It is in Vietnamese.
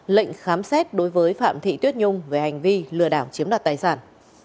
lệnh khám xét đối với phạm thị tuyết nhung về hành vi lừa đảo chiếm đoạt tài sản